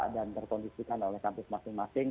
dan terkondisikan oleh kampus masing masing